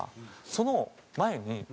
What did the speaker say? その前に。